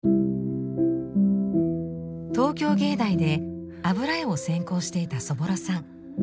東京藝大で油絵を専攻していたそぼろさん。